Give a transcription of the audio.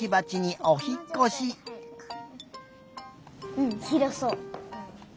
うんひろそう。